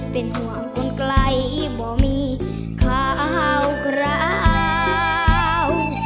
เป็นห่วงคนไกลบ่มีข่าวคราว